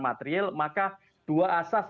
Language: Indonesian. material maka dua asas